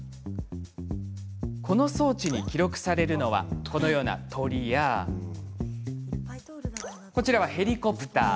この装置に記録されるのはこのような鳥やこちらはヘリコプター。